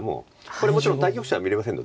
これもちろん対局者は見れませんので。